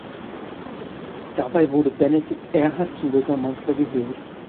Dabei wurde Benedikt Erhard zum Bürgermeister gewählt.